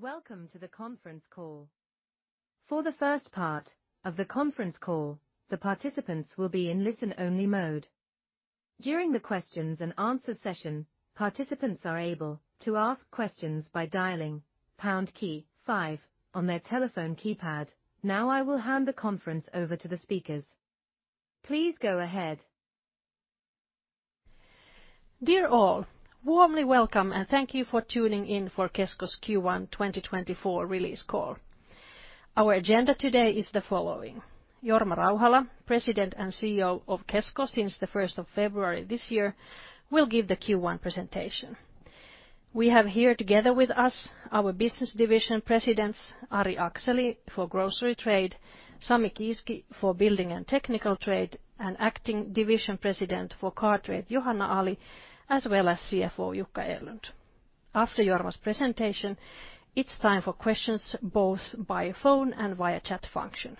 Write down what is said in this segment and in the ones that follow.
Welcome to the conference call. For the first part of the conference call, the participants will be in listen-only mode. During the questions-and-answers session, participants are able to ask questions by dialing pound key five on their telephone keypad. Now I will hand the conference over to the speakers. Please go ahead. Dear all, warmly welcome and thank you for tuning in for Kesko's Q1 2024 release call. Our agenda today is the following: Jorma Rauhala, President and CEO of Kesko since 1 February this year, will give the Q1 presentation. We have here together with us our Business Division Presidents Ari Akseli for Grocery Trade, Sami Kiiski for Building and Technical Trade, and Acting Division President for Car Trade Johanna Ali, as well as CFO Jukka Erlund. After Jorma's presentation, it's time for questions both by phone and via chat function.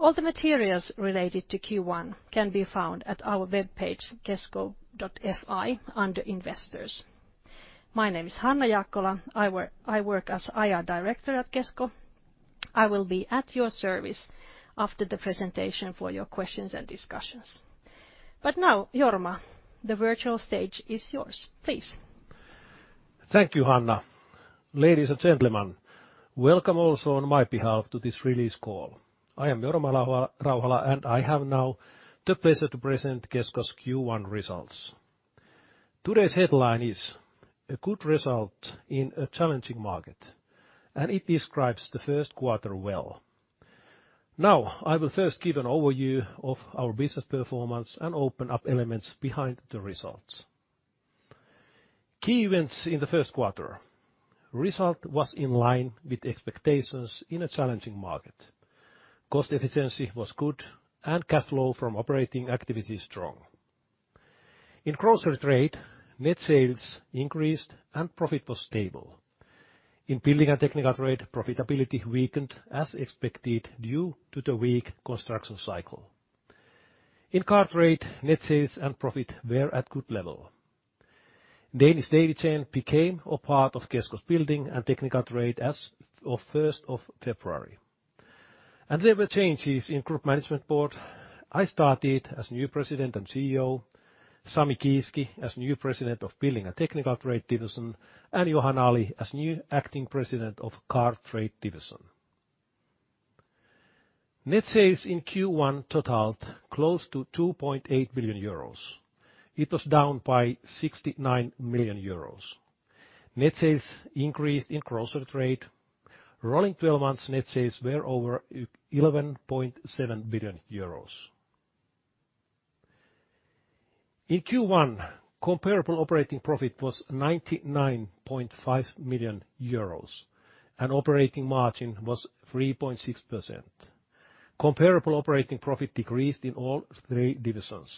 All the materials related to Q1 can be found at our web page kesko.fi under Investors. My name is Hanna Jaakkola. I work as IR Director at Kesko. I will be at your service after the presentation for your questions and discussions. But now, Jorma, the virtual stage is yours. Please. Thank you, Hanna. Ladies and gentlemen, welcome also on my behalf to this release call. I am Jorma Rauhala and I have now the pleasure to present Kesko's Q1 results. Today's headline is "A Good Result in a Challenging Market," and it describes the first quarter well. Now I will first give an overview of our business performance and open up elements behind the results. Key events in the first quarter: Result was in line with expectations in a challenging market. Cost efficiency was good and cash flow from operating activities strong. In Grocery Trade, net sales increased and profit was stable. In Building and Technical Trade, profitability weakened as expected due to the weak construction cycle. In Car Trade, net sales and profit were at good level. Davidsen became a part of Kesko's Building and Technical Trade on 1 February. There were changes in Group Management Board. I started as new President and CEO, Sami Kiiski as new President of Building and Technical Trade Division, and Johanna Ali as new Acting President of Car Trade Division. Net sales in Q1 totaled close to 2.8 billion euros. It was down by 69 million euros. Net sales increased in Grocery Trade. Rolling 12 months net sales were over 11.7 billion euros. In Q1, comparable operating profit was 99.5 million euros and operating margin was 3.6%. Comparable operating profit decreased in all three divisions.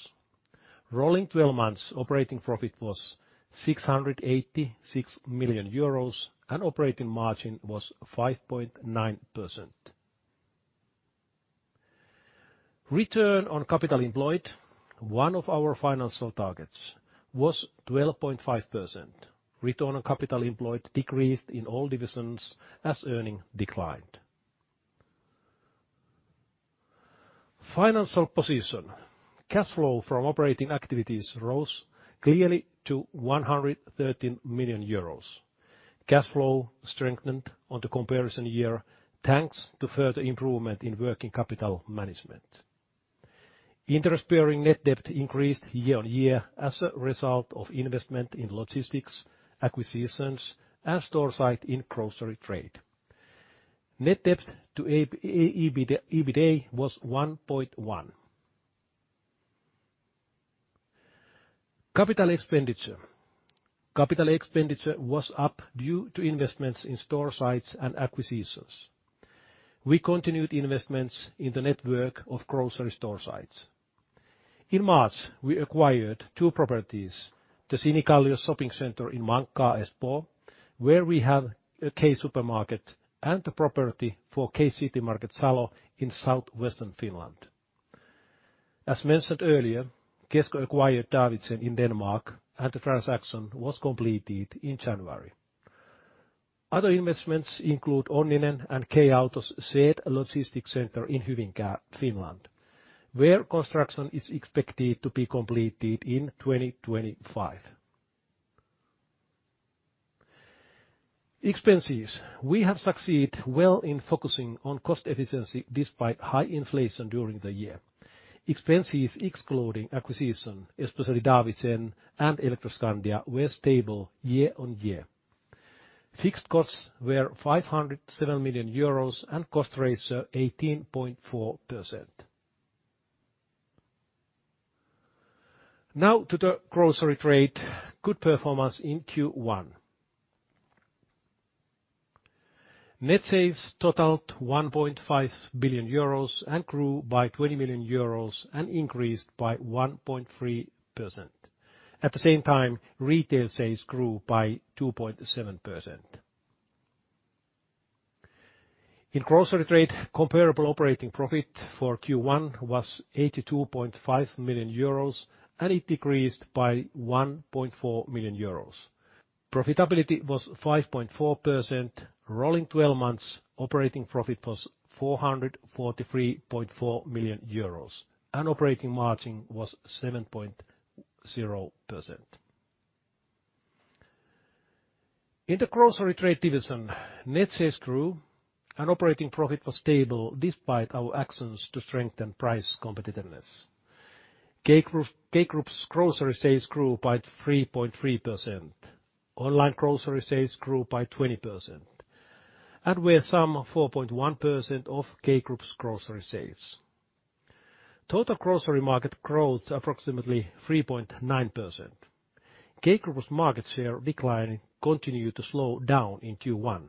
Rolling 12 months operating profit was 686 million euros and operating margin was 5.9%. Return on capital employed, one of our financial targets, was 12.5%. Return on capital employed decreased in all divisions as earnings declined. Financial position: Cash flow from operating activities rose clearly to 113 million euros. Cash flow strengthened on the comparison year thanks to further improvement in working capital management. Interest-bearing net debt increased year on year as a result of investment in logistics, acquisitions, and store site in Grocery Trade. Net debt to EBITDA was 1.1. Capital expenditure: Capital expenditure was up due to investments in store sites and acquisitions. We continued investments in the network of grocery store sites. In March, we acquired two properties: the Sinikallio shopping center in Mankkaa, Espoo, where we have a K-Supermarket, and the property for K-Citymarket Salo in southwestern Finland. As mentioned earlier, Kesko acquired Davidsen in Denmark and the transaction was completed in January. Other investments include Onninen and K-Auto's SEAT logistics center in Hyvinkää, Finland, where construction is expected to be completed in 2025. Expenses: We have succeeded well in focusing on cost efficiency despite high inflation during the year. Expenses excluding acquisition, especially Davidsen and Elektroskandia, were stable year on year. Fixed costs were 507 million euros and cost ratio 18.4%. Now to the Grocery Trade: Good performance in Q1. Net sales totaled 1.5 billion euros and grew by 20 million euros and increased by 1.3%. At the same time, retail sales grew by 2.7%. In Grocery Trade, comparable operating profit for Q1 was 82.5 million euros and it decreased by 1.4 million euros. Profitability was 5.4%. Rolling 12 months operating profit was 443.4 million euros and operating margin was 7.0%. In the Grocery Trade division, net sales grew and operating profit was stable despite our actions to strengthen price competitiveness. K-Group's grocery sales grew by 3.3%. Online grocery sales grew by 20%. And we have some 4.1% of K-Group's grocery sales. Total grocery market growth is approximately 3.9%. K-Group's market share decline continued to slow down in Q1.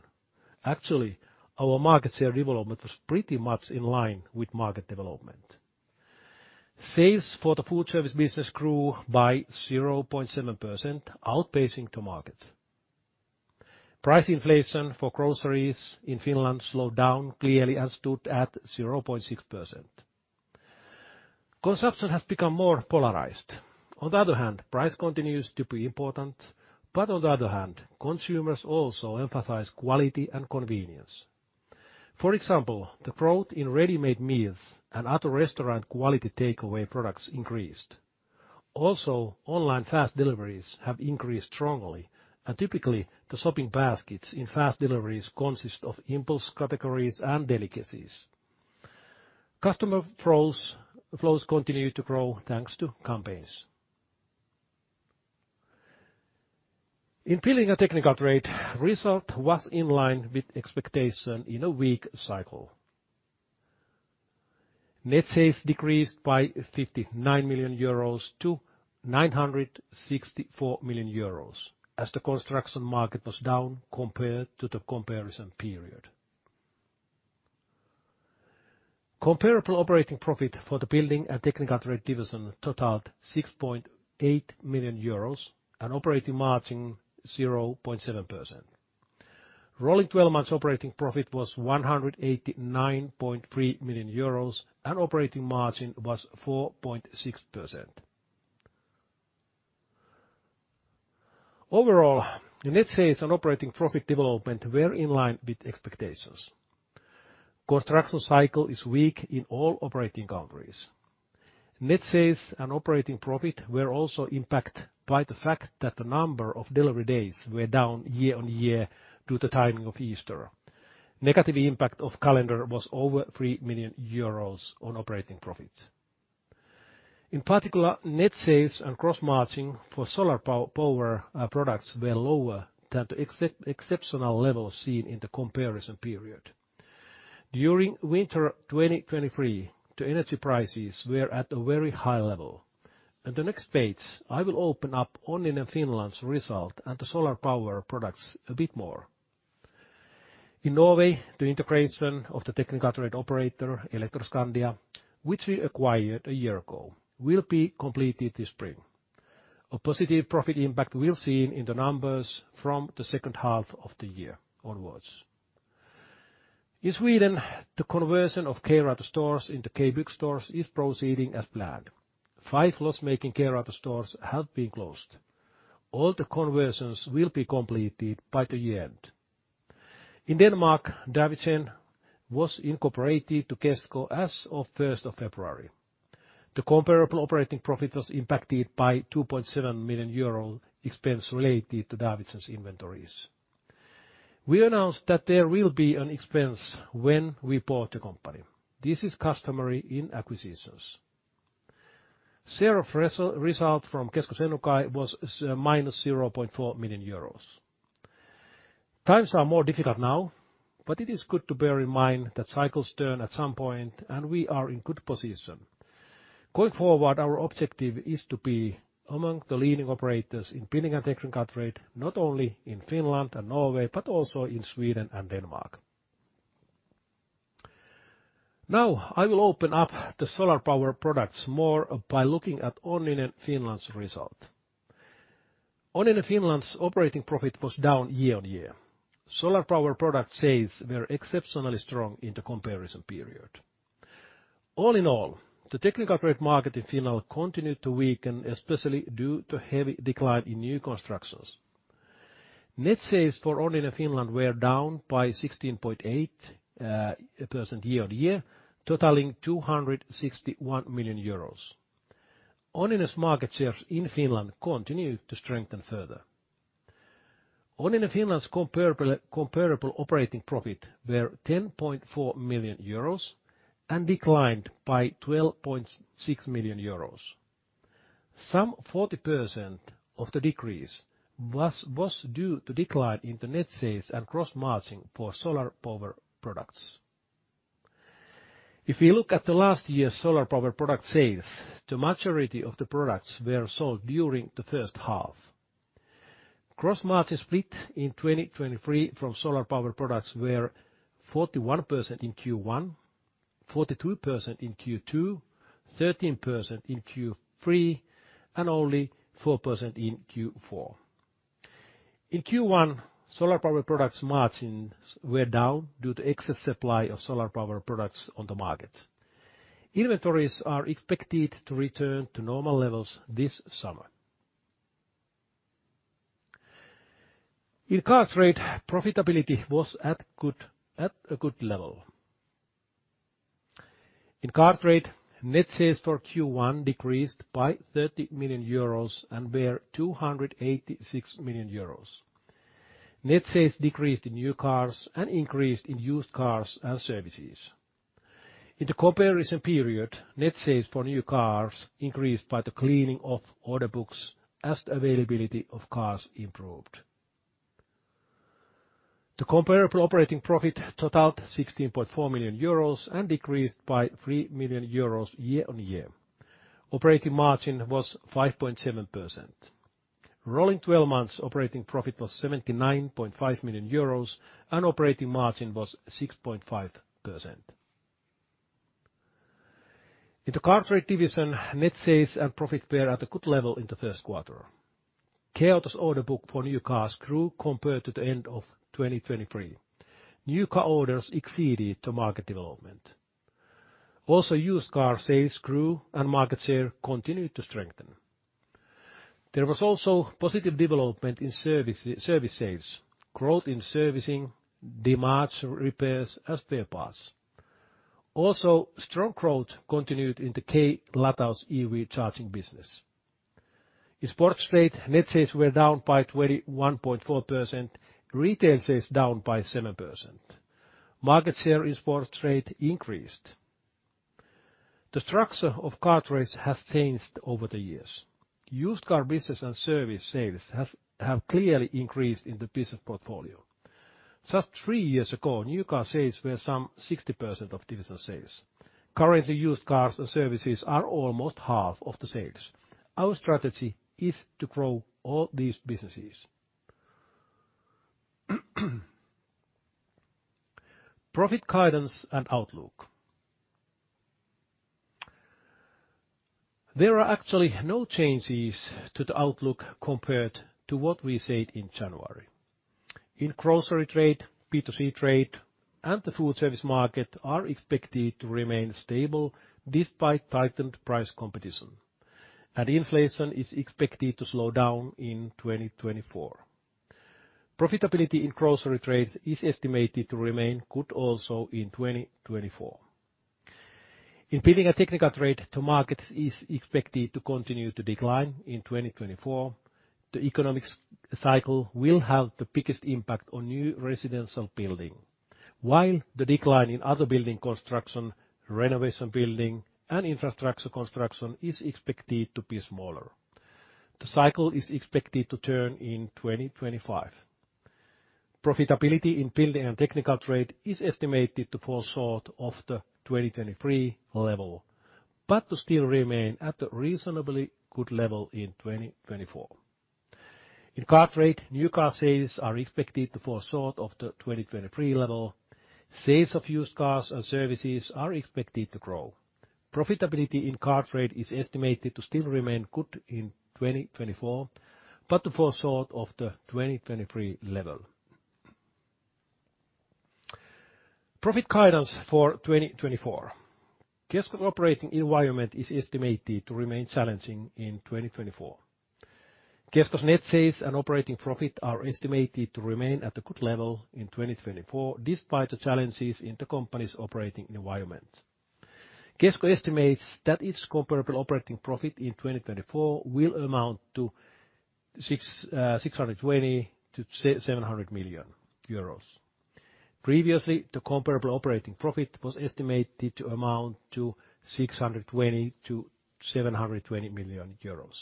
Actually, our market share development was pretty much in line with market development. Sales for the food service business grew by 0.7%, outpacing the market. Price inflation for groceries in Finland slowed down clearly and stood at 0.6%. Consumption has become more polarized. On the other hand, price continues to be important, but on the other hand, consumers also emphasize quality and convenience. For example, the growth in ready-made meals and other restaurant quality takeaway products increased. Also, online fast deliveries have increased strongly, and typically the shopping baskets in fast deliveries consist of impulse categories and delicacies. Customer flows continue to grow thanks to campaigns. In Building and Technical Trade, result was in line with expectation in a weak cycle. Net sales decreased by 59 million euros to 964 million euros as the construction market was down compared to the comparison period. Comparable operating profit for the Building and Technical Trade division totaled 6.8 million euros and operating margin 0.7%. Rolling 12 months operating profit was 189.3 million euros and operating margin was 4.6%. Overall, net sales and operating profit development were in line with expectations. Construction cycle is weak in all operating countries. Net sales and operating profit were also impacted by the fact that the number of delivery days were down year-on-year due to the timing of Easter. Negative impact of calendar was over 3 million euros on operating profits. In particular, net sales and gross margin for solar power products were lower than the exceptional level seen in the comparison period. During winter 2023, the energy prices were at a very high level. The next page, I will open up Onninen Finland's result and the solar power products a bit more. In Norway, the integration of the technical trade operator Elektroskandia, which we acquired a year ago, will be completed this spring. A positive profit impact will be seen in the numbers from the second half of the year onwards. In Sweden, the conversion of K-Rauta stores into K-Bygg stores is proceeding as planned. 5 loss-making K-Rauta stores have been closed. All the conversions will be completed by the year-end. In Denmark, Davidsen was incorporated to Kesko as of 1 February. The comparable operating profit was impacted by 2.7 million euro expense related to Davidsen's inventories. We announced that there will be an expense when we bought the company. This is customary in acquisitions. Sales result from Kesko Senukai was minus 0.4 million euros. Times are more difficult now, but it is good to bear in mind that cycles turn at some point and we are in good position. Going forward, our objective is to be among the leading operators in Building and Technical Trade, not only in Finland and Norway, but also in Sweden and Denmark. Now I will open up the solar power products more by looking at Onninen Finland's result. Onninen Finland's operating profit was down year-on-year. Solar power product sales were exceptionally strong in the comparison period. All in all, the technical trade market in Finland continued to weaken, especially due to heavy decline in new constructions. Net sales for Onninen Finland were down by 16.8% year-on-year, totaling 261 million euros. Onninen's market shares in Finland continue to strengthen further. Onninen Finland's comparable operating profit were 10.4 million euros and declined by 12.6 million euros. Some 40% of the decrease was due to decline in the net sales and gross margin for solar power products. If we look at the last year's solar power product sales, the majority of the products were sold during the first half. Gross margin split in 2023 from solar power products were 41% in Q1, 42% in Q2, 13% in Q3, and only 4% in Q4. In Q1, solar power product margins were down due to excess supply of solar power products on the market. Inventories are expected to return to normal levels this summer. In Car Trade, profitability was at a good level. In Car Trade, net sales for Q1 decreased by 30 million euros and were 286 million euros. Net sales decreased in new cars and increased in used cars and services. In the comparison period, net sales for new cars increased by the cleaning of order books as the availability of cars improved. The comparable operating profit totaled 16.4 million euros and decreased by 3 million euros year-on-year. Operating margin was 5.7%. Rolling 12 months operating profit was 79.5 million euros and operating margin was 6.5%. In the Car Trade division, net sales and profit were at a good level in the first quarter. K-Auto's order book for new cars grew compared to the end of 2023. New car orders exceeded the market development. Also, used car sales grew and market share continued to strengthen. There was also positive development in service sales, growth in servicing, damage repairs, and spare parts. Also, strong growth continued in the K-Lataus EV charging business. In Sports Trade, net sales were down by 21.4%, retail sales down by 7%. Market share in Sports Trade increased. The structure of Car Trade has changed over the years. Used car business and service sales have clearly increased in the business portfolio. Just three years ago, new car sales were some 60% of division sales. Currently, used cars and services are almost half of the sales. Our strategy is to grow all these businesses. Profit guidance and outlook: There are actually no changes to the outlook compared to what we said in January. In Grocery Trade, B2C Trade, and the food service market are expected to remain stable despite tightened price competition. Inflation is expected to slow down in 2024. Profitability in Grocery Trade is estimated to remain good also in 2024. In Building and Technical Trade, the market is expected to continue to decline in 2024. The economic cycle will have the biggest impact on new residential building, while the decline in other building construction, renovation building, and infrastructure construction is expected to be smaller. The cycle is expected to turn in 2025. Profitability in Building and Technical Trade is estimated to fall short of the 2023 level, but to still remain at a reasonably good level in 2024. In Car Trade, new car sales are expected to fall short of the 2023 level. Sales of used cars and services are expected to grow. Profitability in Car Trade is estimated to still remain good in 2024, but to fall short of the 2023 level. Profit guidance for 2024: Kesko's operating environment is estimated to remain challenging in 2024. Kesko's net sales and operating profit are estimated to remain at a good level in 2024 despite the challenges in the company's operating environment. Kesko estimates that its comparable operating profit in 2024 will amount to 620 million-700 million euros. Previously, the comparable operating profit was estimated to amount to 620 million-720 million euros.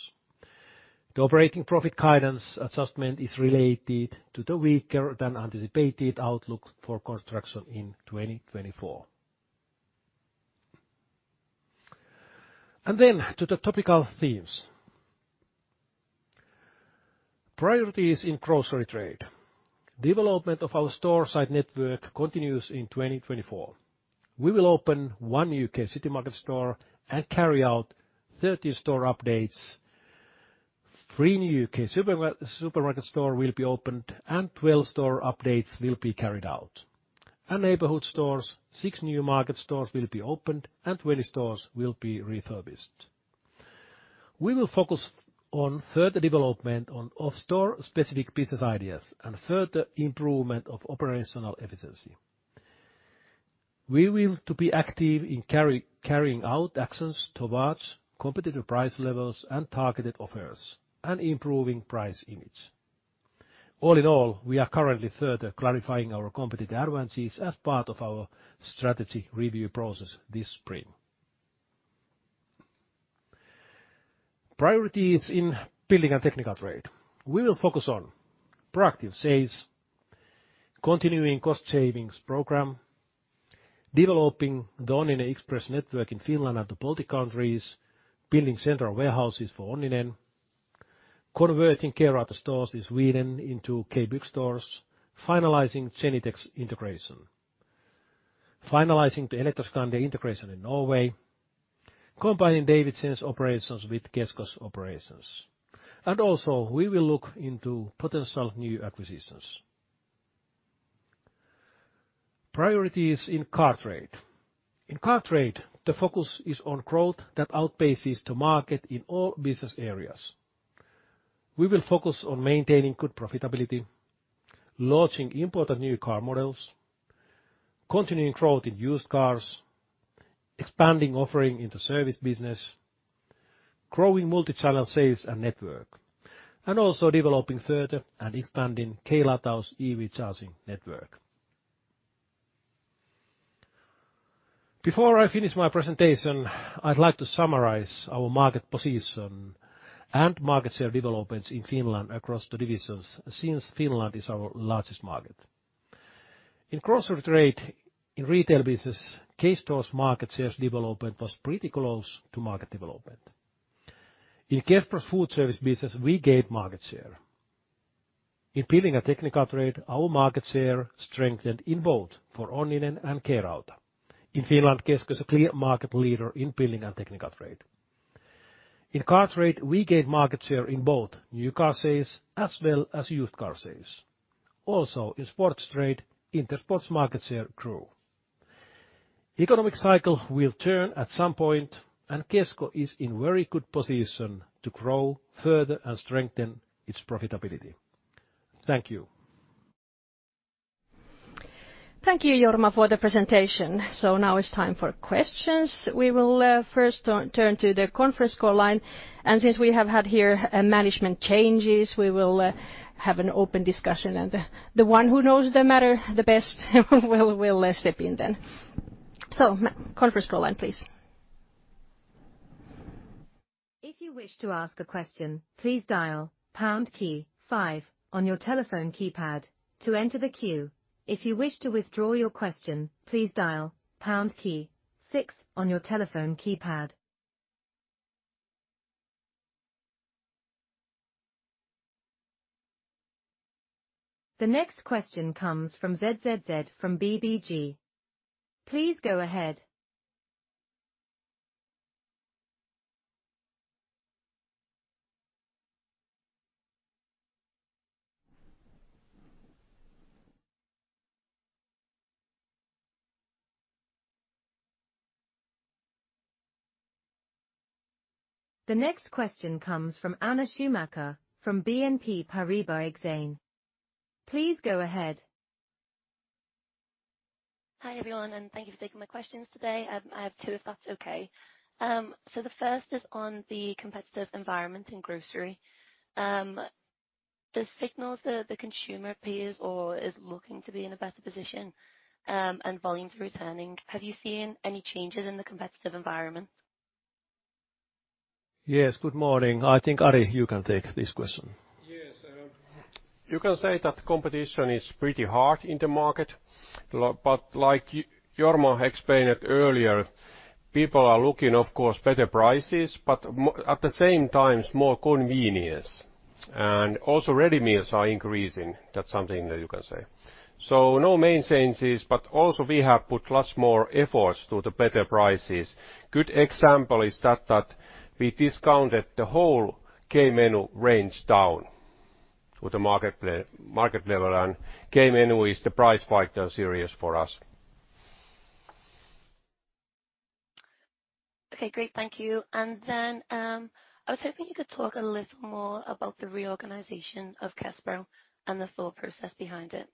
The operating profit guidance adjustment is related to the weaker than anticipated outlook for construction in 2024. Then to the topical themes: Priorities in Grocery Trade: Development of our store site network continues in 2024. We will open one K-Citymarket store and carry out 30 store updates. Three new K-Supermarket stores will be opened and 12 store updates will be carried out. Neighborhood stores, six new K-Market stores will be opened and 20 stores will be refurbished. We will focus on further development of store-specific business ideas and further improvement of operational efficiency. We will be active in carrying out actions towards competitive price levels and targeted offers, and improving price image. All in all, we are currently further clarifying our competitive advantages as part of our strategy review process this spring. Priorities in Building and Technical Trade: We will focus on: Proactive sales, continuing cost-savings program, developing the Onninen Express network in Finland and the Baltic countries, building central warehouses for Onninen, converting K-Rauta stores in Sweden into K-Bygg stores, finalizing Zenitec integration, finalizing the Elektroskandia integration in Norway, combining Davidsen's operations with Kesko's operations. And also, we will look into potential new acquisitions. Priorities in Car Trade: In Car Trade, the focus is on growth that outpaces the market in all business areas. We will focus on maintaining good profitability, launching important new car models, continuing growth in used cars, expanding offering in the service business, growing multi-channel sales and network, and also developing further and expanding K-Lataus EV charging network. Before I finish my presentation, I'd like to summarize our market position and market share developments in Finland across the divisions since Finland is our largest market. In Grocery Trade, in retail business, K-Stores market share development was pretty close to market development. In Kesko's food service business, we gained market share. In Building and Technical Trade, our market share strengthened in both for Onninen and K-Rauta. In Finland, Kesko is a clear market leader in Building and Technical Trade. In Car Trade, we gained market share in both new car sales as well as used car sales. Also, in Sports Trade, Intersport's market share grew. The economic cycle will turn at some point and Kesko is in very good position to grow further and strengthen its profitability. Thank you. Thank you, Jorma, for the presentation. Now it's time for questions. We will first turn to the conference call line. Since we have had here management changes, we will have an open discussion. The one who knows the matter the best will step in then. Conference call line, please. If you wish to ask a question, please dial pound key five on your telephone keypad to enter the queue. If you wish to withdraw your question, please dial pound key six on your telephone keypad. The next question comes from from ABG. Please go ahead. The next question comes from Anna Schumacher from BNP Paribas Exane. Please go ahead. Hi everyone, and thank you for taking my questions today. I have two, if that's okay. The first is on the competitive environment in grocery. Does it signal, the consumer, appears or is looking to be in a better position, and volumes are returning? Have you seen any changes in the competitive environment? Yes, good morning. I think Ari, you can take this question. Yes. You can say that competition is pretty hard in the market. But like Jorma explained earlier, people are looking, of course, for better prices, but at the same time, more convenience. And also, ready meals are increasing. That's something that you can say. So no main changes, but also we have put much more effort into the better prices. A good example is that we discounted the whole K-Menu range down to the market level. And K-Menu is the price fighter series for us. Okay, great. Thank you. And then I was hoping you could talk a little more about the reorganization of Kespro and the thought process behind it.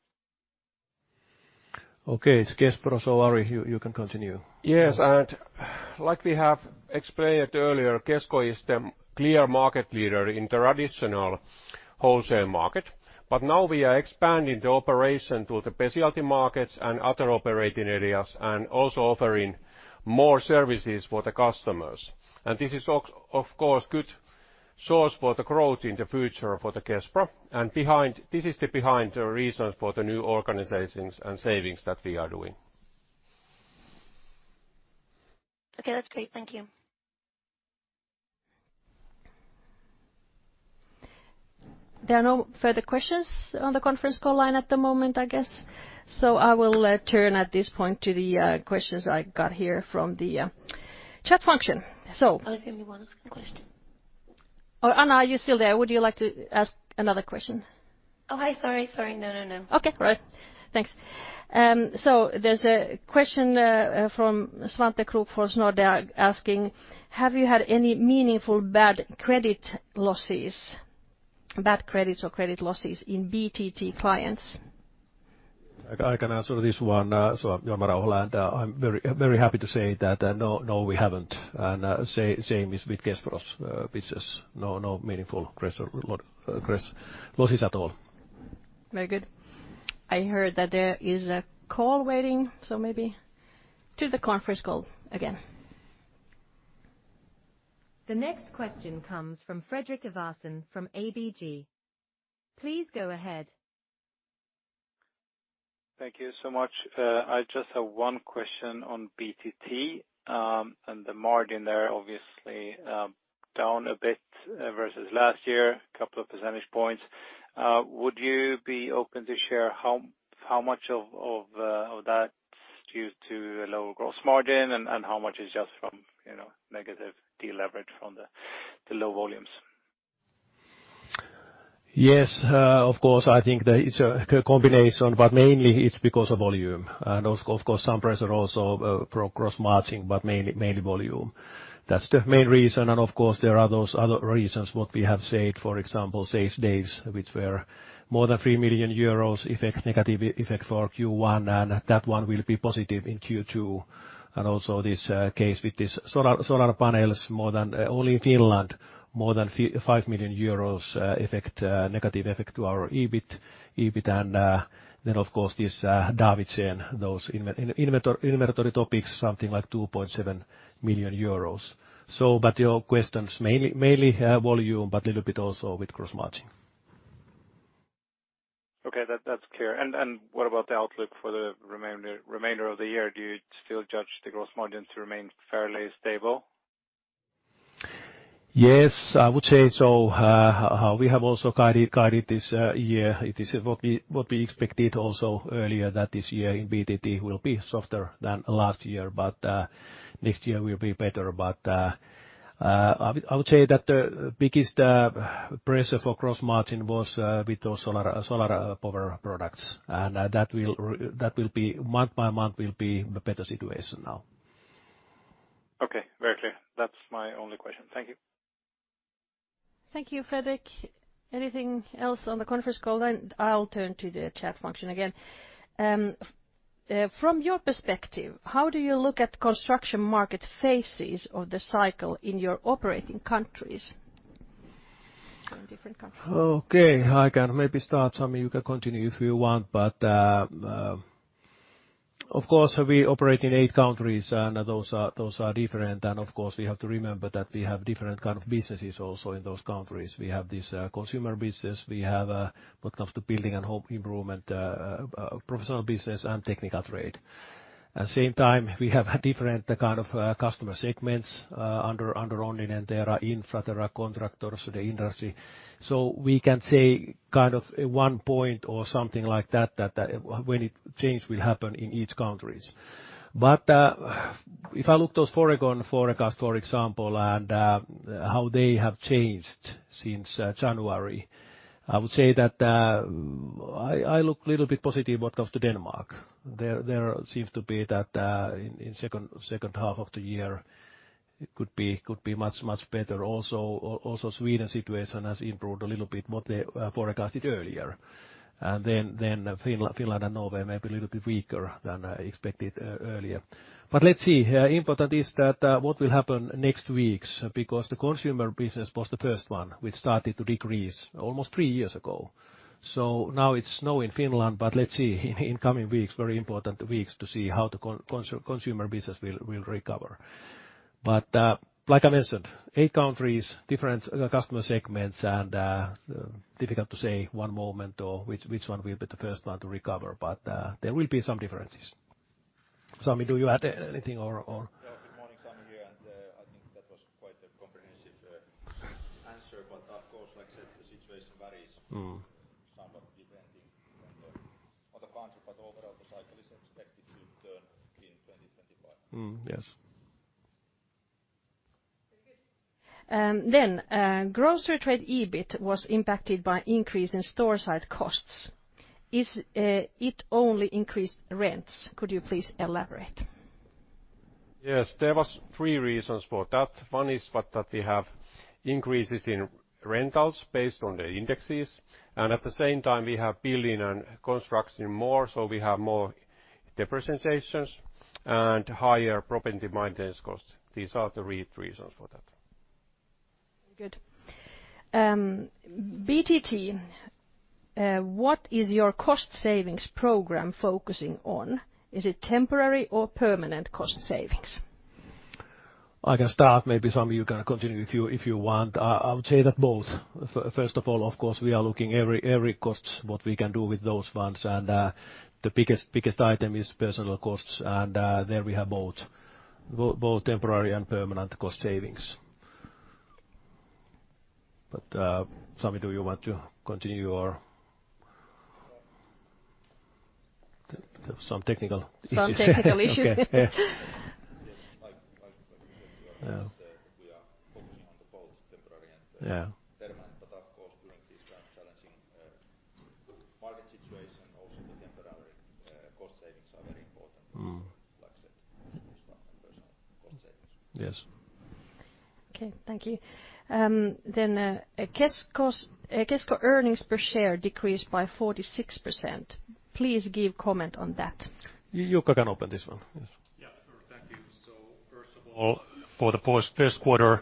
Okay, it's Kespro. So Ari, you can continue. Yes. Like we have explained earlier, Kesko is the clear market leader in the traditional wholesale market. But now we are expanding the operation to the specialty markets and other operating areas, and also offering more services for the customers. This is, of course, a good source for the growth in the future for the Kespro. This is the reason behind the new organizations and savings that we are doing. Okay, that's great. Thank you. There are no further questions on the conference call line at the moment, I guess. So I will turn at this point to the questions I got here from the chat function. So. I'll give you one second question. Oh, Anna, are you still there? Would you like to ask another question? Oh, hi. Sorry, sorry. No, no, no. Okay, all right. Thanks. So there's a question from Svante Krokfors from Nordea, asking, "Have you had any meaningful bad credit losses, bad credits or credit losses in BTT clients? I can answer this one. Jorma Rauhala, and I'm very happy to say that no, we haven't. Same is with Kespro's business. No meaningful losses at all. Very good. I heard that there is a call waiting, so maybe to the conference call again. The next question comes from Fredrik Ivarsson from ABG. Please go ahead. Thank you so much. I just have one question on BTT. The margin there, obviously, down a bit versus last year, a couple of percentage points. Would you be open to share how much of that is due to a lower gross margin and how much is just from negative de-leverage from the low volumes? Yes, of course. I think it's a combination, but mainly it's because of volume. And of course, some pressure also for gross margin, but mainly volume. That's the main reason. And of course, there are those other reasons, what we have said, for example, sales dates, which were more than 3 million euros negative effect for Q1, and that one will be positive in Q2. And also this case with these solar panels, only in Finland, more than 5 million euros negative effect to our EBIT. And then, of course, this Davidsen, those inventory topics, something like 2.7 million euros. But your questions, mainly volume, but a little bit also with gross margin. Okay, that's clear. What about the outlook for the remainder of the year? Do you still judge the gross margin to remain fairly stable? Yes, I would say so. We have also guided this year. It is what we expected also earlier that this year in BTT will be softer than last year, but next year will be better. But I would say that the biggest pressure for gross margin was with those solar power products. And that will be month by month, will be a better situation now. Okay, very clear. That's my only question. Thank you. Thank you, Fredrik. Anything else on the conference call line? I'll turn to the chat function again. From your perspective, how do you look at construction market phases of the cycle in your operating countries in different countries? Okay, I can maybe start. Sami, you can continue if you want. But of course, we operate in eight countries, and those are different. And of course, we have to remember that we have different kinds of businesses also in those countries. We have this consumer business. We have, when it comes to building and home improvement, professional business and technical trade. At the same time, we have different kinds of customer segments under Onninen. There are infra, there are contractors, the industry. So we can say kind of one point or something like that, that when it changes, it will happen in each country. But if I look at those forecasts, for example, and how they have changed since January, I would say that I look a little bit positive when it comes to Denmark. There seems to be that in the second half of the year, it could be much, much better. Also, Sweden's situation has improved a little bit, what they forecasted earlier. And then Finland and Norway may be a little bit weaker than expected earlier. But let's see. Important is that what will happen next weeks, because the consumer business was the first one, which started to decrease almost three years ago. So now it's snowing in Finland, but let's see, in coming weeks, very important weeks to see how the consumer business will recover. But like I mentioned, eight countries, different customer segments, and difficult to say one moment or which one will be the first one to recover. But there will be some differences. Sami, do you have anything or? Good morning, Sami here. I think that was quite a comprehensive answer. Of course, like I said, the situation varies somewhat depending on the country. Overall, the cycle is expected to turn in 2025. Yes. Very good. Then, grocery trade EBIT was impacted by an increase in store site costs. It only increased rents. Could you please elaborate? Yes, there were three reasons for that. One is that we have increases in rentals based on the indexes. At the same time, we have building and construction more, so we have more depreciations and higher property maintenance costs. These are the reasons for that. Very good. BTT, what is your cost-savings program focusing on? Is it temporary or permanent cost savings? I can start. Maybe Sami, you can continue if you want. I would say that both. First of all, of course, we are looking at every cost, what we can do with those funds. And the biggest item is personal costs. And there we have both temporary and permanent cost savings. But Sami, do you want to continue or? Some technical issues. Some technical issues. Yeah. Like you said, we are focusing on both temporary and permanent. But of course, during this kind of challenging market situation, also the temporary cost savings are very important, like I said, personal cost savings. Yes. Okay, thank you. Then, Kesko earnings per share decreased by 46%. Please give a comment on that? Jukka can open this one. Yes. Yeah, sure. Thank you. So first of all, for the first quarter,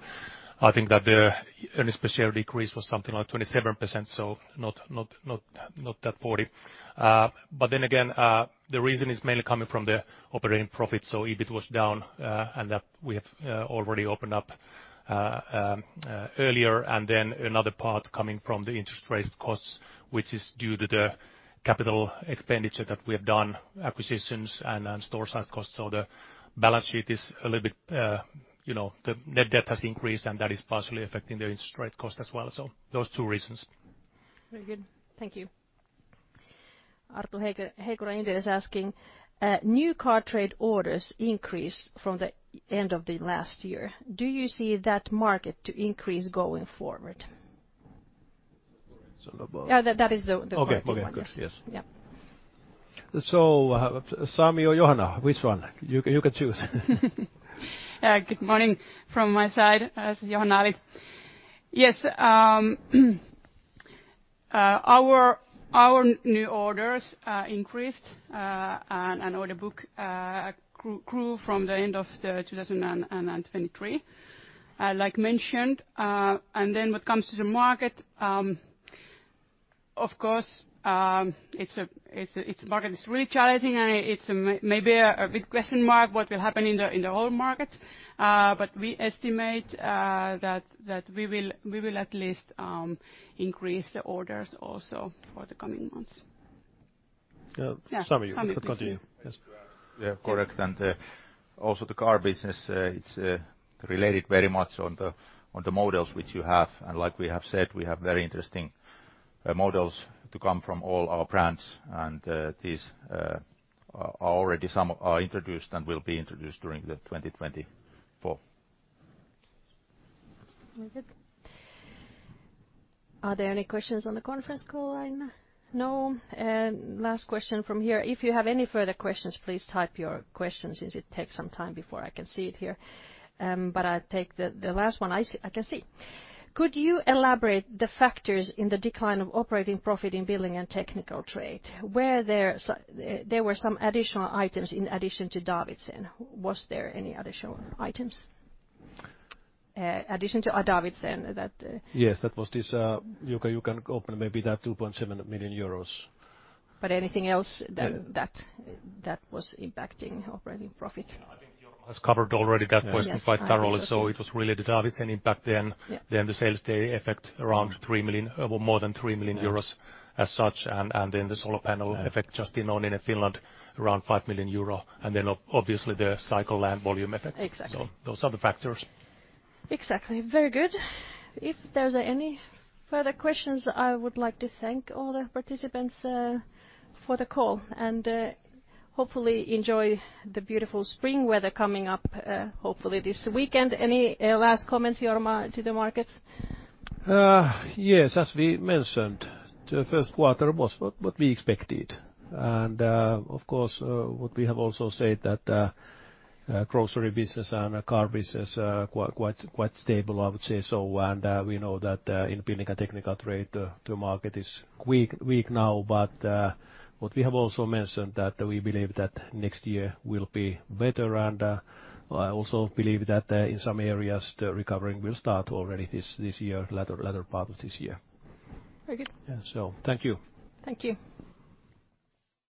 I think that the earnings per share decreased was something like 27%, so not that 40. But then again, the reason is mainly coming from the operating profit, so EBIT was down and that we have already opened up earlier. And then another part coming from the interest-related costs, which is due to the capital expenditure that we have done, acquisitions, and store-side costs. So the balance sheet is a little bit the net debt has increased, and that is partially affecting the interest-related costs as well. So those two reasons. Very good. Thank you. Arttu Heikura is asking, "New car trade orders increased from the end of last year. Do you see that market to increase going forward? So the both. Yeah, that is the question. Okay, okay. Yes. Yeah. So Sami or Johanna, which one? You can choose. Good morning from my side. This is Johanna Ali. Yes. Our new orders increased, and order book grew from the end of 2023, like mentioned. Then when it comes to the market, of course, the market is really challenging, and it's maybe a big question mark what will happen in the whole market. We estimate that we will at least increase the orders also for the coming months. Yeah. Sami, you can continue. Yes. Yeah, correct. Also the car business, it's related very much on the models which you have. Like we have said, we have very interesting models to come from all our brands, and these are already some introduced and will be introduced during 2024. Very good. Are there any questions on the conference call line? No. Last question from here. If you have any further questions, please type your questions since it takes some time before I can see it here. But I'll take the last one. I can see. "Could you elaborate the factors in the decline of operating profit in building and technical trade? There were some additional items in addition to Davidsen. Was there any additional items? Addition to Davidsen that? Yes, that was this. Jukka, you can open maybe that 2.7 million euros. But anything else that was impacting operating profit? Yeah, I think Jorma has covered already. That was quite thoroughly. So it was really the Davidsen impact, then the sales day effect around 3 million, more than 3 million euros as such. And then the solar panel effect just in Onninen Finland, around 5 million euro. And then obviously, the cyclical and volume effect. So those are the factors. Exactly. Very good. If there are any further questions, I would like to thank all the participants for the call. And hopefully, enjoy the beautiful spring weather coming up, hopefully, this weekend. Any last comments, Jorma, to the markets? Yes, as we mentioned, the first quarter was what we expected. And of course, what we have also said that grocery business and car business are quite stable, I would say so. And we know that in building and technical trade, the market is weak now. But what we have also mentioned that we believe that next year will be better. And I also believe that in some areas, the recovery will start already this year, latter part of this year. Very good. Yeah, so thank you. Thank you.